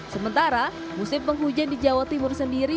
sementara musim penghujan di jawa timur sendiri